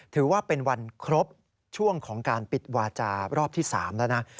ถือว่าเป็นวันครบช่วงของการปิดวาจารอบที่๓แล้วนะ